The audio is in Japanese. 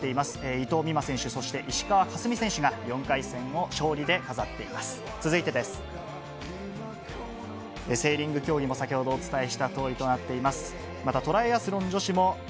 伊藤美誠選手、そして石川佳純選手が４回戦を勝利で飾っています。